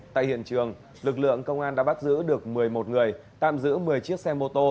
tại hiện trường lực lượng công an đã bắt giữ được một mươi một người tạm giữ một mươi chiếc xe mô tô